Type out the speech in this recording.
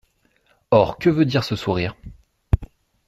Or que veut dire ce sourire ?